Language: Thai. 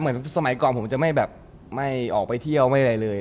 สมัยก่อนผมจะไม่แบบไม่ออกไปเที่ยวไม่อะไรเลย